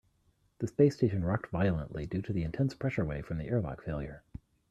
The space station rocked violently due to the intense pressure wave from the airlock failure.